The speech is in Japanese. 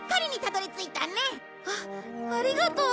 あありがとう。